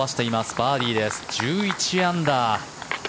バーディーです、１１アンダー。